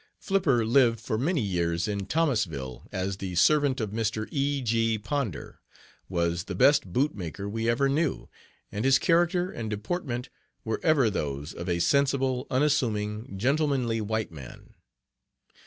Flipper lived for many years in Thomasville as the servant of Mr. E. G. Ponder was the best bootmaker we ever knew, and his character and deportment were ever those of a sensible, unassuming, gentlemanly white man.